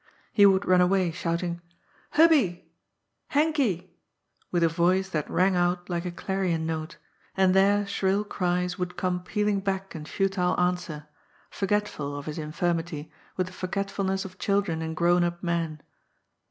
He would run away, shouting, '^ Hubby ! Henky I " with a yoice that rang out like a clarion note, and their shrill cries would come pealing back in futile answer — ^forgetful of his infirmity with the forgetfulness of children and grown up men.